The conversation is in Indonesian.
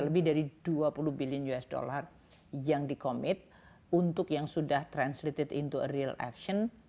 lebih dari dua puluh billion usd yang di commit untuk yang sudah translated in to a real action